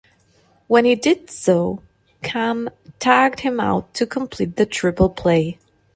When he did so, Kamm tagged him out to complete the triple play.